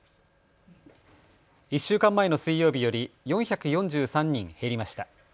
１週間前の水曜日より４４３人減りました。